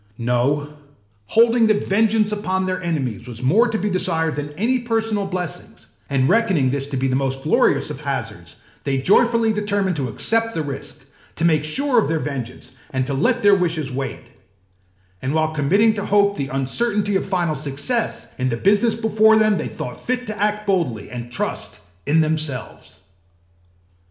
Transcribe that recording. No, holding that vengeance upon their enemies was more to be desired than any personal blessings, and reckoning this to be the most glorious of hazards, they joyfully determined to accept the risk, to make sure of their vengeance, and to let their wishes wait; and while committing to hope the uncertainty of final success, in the business before them they thought fit to act boldly and trust in themselves.